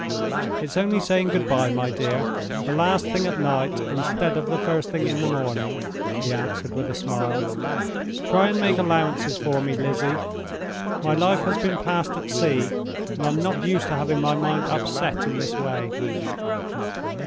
"It's only saying good by, my dear, the last thing at night instead of the first thing in the morning," he answered, with a smile. "Try and make allowances for me, Lizzie. My life has been passed at sea; and I'm not used to having my mind upset in this way.